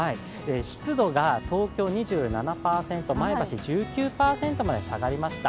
湿度が東京２７％、前橋１９％まで下がりました。